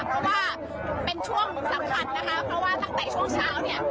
เพราะว่าเป็นช่วงสำคัญนะคะเพราะว่าตั้งแต่ช่วงเช้าเนี่ย